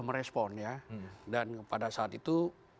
merespon ya dan pada saat itu